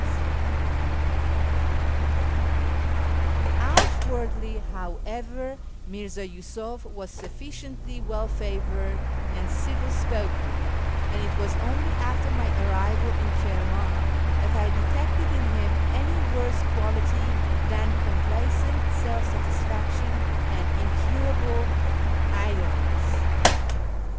FROM YEZD TO KIRMAn 419 Outwardly, however, Mirza Yusiif was sufficiently well favoured and civil spoken, and it was only after my arrival in Kirman that I detected in him any worse quality than complacent self satisfaction and incurable idleness.